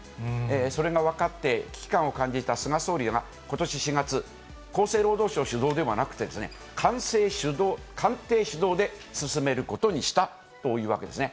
それが分かって、危機感を感じた菅総理はことし４月、厚生労働省主導ではなくて、官邸主導で進めることにしたというわけですね。